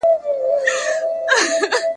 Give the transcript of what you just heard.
د حیرت ګوته په غاښ ورته حیران وه `